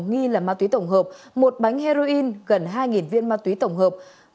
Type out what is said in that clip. nghi là ma túy tổng hợp một bánh heroin gần hai viên ma túy tổng hợp